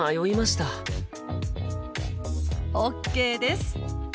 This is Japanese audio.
ＯＫです！